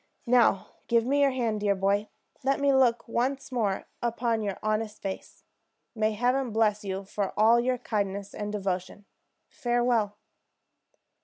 And now give me your hand, dear boy. Let me look once more upon your honest face. May Heaven bless you for all your kindness and devotion! Farewell!"